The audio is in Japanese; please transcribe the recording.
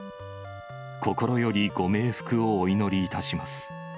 心よりご冥福をお祈りいたします。